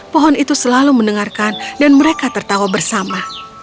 pohon itu selalu mendengarkan dan mereka tertawa bersama